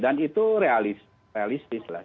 dan itu realistis lah